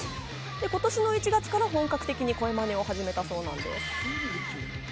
今年の１月から本格的に声まねを始めたそうなんです。